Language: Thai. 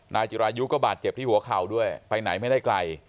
นายจิรายุก็บาดเจ็บที่หัวเข่าด้วยไปไหนไม่ได้ไกล